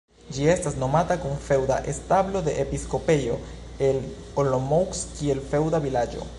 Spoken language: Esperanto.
Ĝi estas nomata kun feŭda establo de episkopejo el Olomouc kiel feŭda vilaĝo.